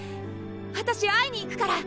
私会いに行くから！